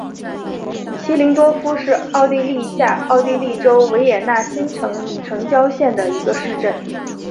齐灵多夫是奥地利下奥地利州维也纳新城城郊县的一个市镇。